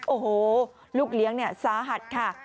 โอ้โหลูกเลี้ยงสาหัสค่ะ